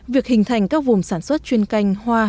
việc hình thành các vùng sản xuất chuyên canh hoa